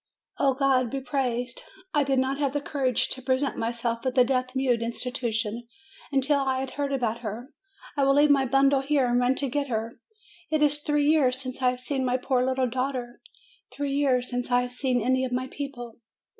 "Oh, God be praised! I did not have the courage to present myself at the Deaf mute Institution until I had heard about her. I will leave my bundle here, and run to get her. It is three years since I have seen my poor little daughter! Three years since I have seen any of my people